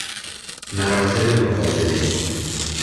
مراتب مقابله